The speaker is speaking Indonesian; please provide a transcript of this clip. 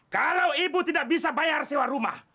kalau ibu tidak bisa bayar sewa rumah